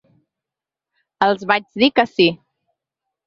Els vaig dir que sí.